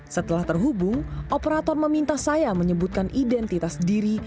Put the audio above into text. setelah terhubung operator meminta saya menyebutkan identitas diri